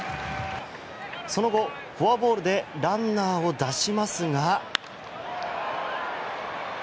その後、フォアボールでランナーを出しますが。